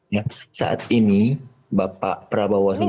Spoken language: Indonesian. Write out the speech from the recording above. ya saat ini bapak prabowo subianto